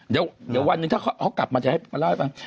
เดี๋ยววันหนึ่งถ้าเขากลับมาจะเล่าให้ว่า